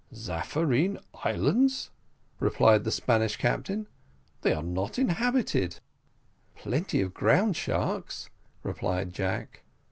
"Zaffarine Isles," replied the Spanish captain; "they are not inhabited." "Plenty of ground sharks," replied Jack.